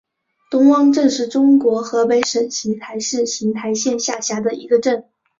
东汪镇是中国河北省邢台市邢台县下辖的一个镇。